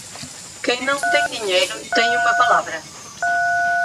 Quem não tem dinheiro, tem uma palavra.